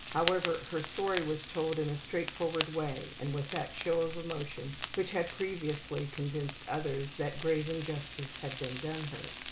However, her story was told in a straightforward way and with that show of emotion which had previously convinced others that grave injustice had been done her.